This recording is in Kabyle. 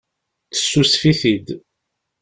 Tessusef-it-id.